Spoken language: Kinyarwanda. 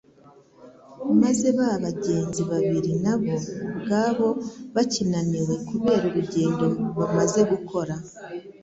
Maze ba bagenzi babiri na bo ubwabo bakinaniwe kubera urugendo bamaze gukora,